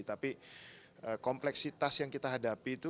tapi kompleksitas yang kita hadapi itu